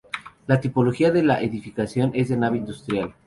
La tipología de la edificación es de nave industrial.